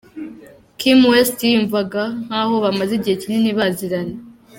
Kim West yiyumvaga nkaho bamaze igihe kinini baziranye.